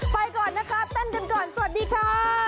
ไปก่อนนะคะเต้นกันก่อนสวัสดีค่ะ